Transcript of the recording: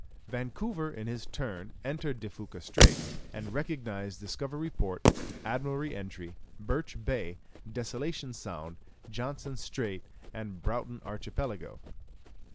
Vancouver in his turn entered De Fuca Strait, and recognized Discovery Port, Admiralty Entry, Birch Bay, Desolation Sound, Johnston Strait, and Broughton Archipelago.